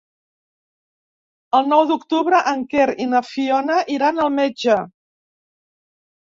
El nou d'octubre en Quer i na Fiona iran al metge.